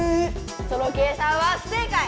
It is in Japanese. その計算は不正解！